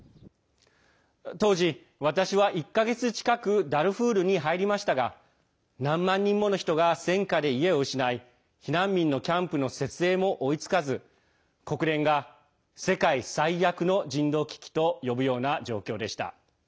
当時、私は１か月近くダルフールに入りましたが何万人もの人が戦火で家を失い避難民のキャンプの設営も追いつかず国連が「世界最悪の人道危機」と呼ぶような状況でした。